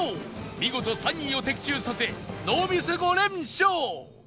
見事３位を的中させノーミス５連勝！